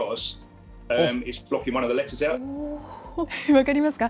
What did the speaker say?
分かりますか？